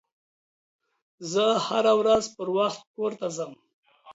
زه هره ورځ پروخت کور ته ځم